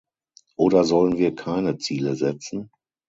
Oder sollen wir keine Ziele setzen?